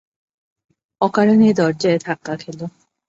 অকারণে দরজায় ধাক্কা খেল।